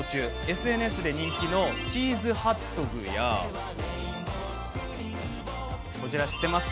ＳＮＳで人気のチーズハットグや知ってます？